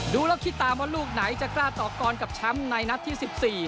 ดูแล้วคิดตามว่าลูกไหนจะกล้าต่อกรกับแชมป์ในนัดที่๑๔